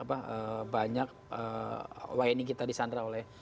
wayaning kita disandra oleh